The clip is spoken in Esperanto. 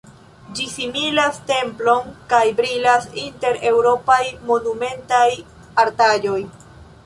Ĝi similas templon kaj brilas inter eŭropaj monumentaj artaĵoj!